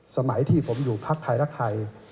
สมัยที่ผมอยู่พักไทยรักไทย